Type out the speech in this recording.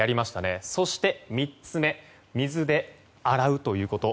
そして、３つ目水で洗うということ。